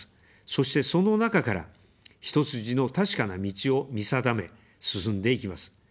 そして、その中から、一筋の確かな道を見定め、進んでいきます。